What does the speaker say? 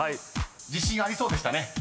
自信ありそうでしたね］